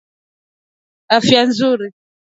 afya nzuri